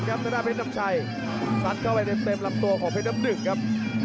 ซัดเข้าไปเป็นสำนักการืมรำตัวก่อนของเพชรน้ำหนึ่งครับ